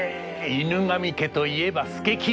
「犬神家」といえば佐清！